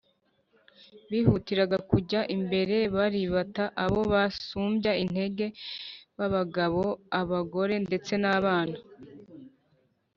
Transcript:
bihutiraga kujya imbere baribata abo basumbya intege b’abagabo, abagore ndetse n’abana